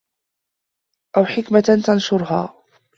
أَوْ حِكْمَةٍ تَنْشُرُهَا